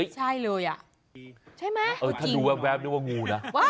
ใช่เลยอ่ะถูกจริงถ้าดูแบบนึกว่างูนะ